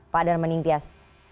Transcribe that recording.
pak darman nintias